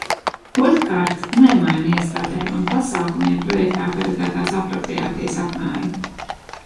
Otrkārt, nemaina iestādēm un pasākumiem projektā paredzētās apropriācijas apmēru.